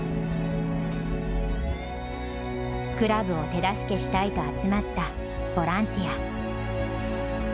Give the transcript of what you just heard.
クラブを手助けしたいと集まったボランティア。